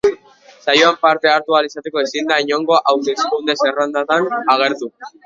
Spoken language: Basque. Saioan parte hartu ahal izateko, ezin da inongo hauteskunde-zerrendatan agertu.